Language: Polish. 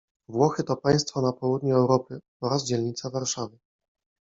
Włochy to państwo na południu Europy oraz dzielnica Warszawy.